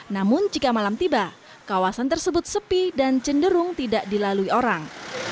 namun jika malam tiba kawasan tersebut sepi dan cenderung tidak dilalui orang